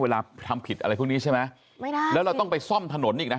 ทำผิดอะไรพวกนี้ใช่ไหมไม่ได้แล้วเราต้องไปซ่อมถนนอีกนะ